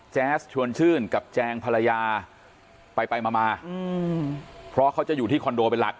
แจ๊สชวนชื่นกับแจงภรรยาไปไปมาเพราะเขาจะอยู่ที่คอนโดเป็นหลัก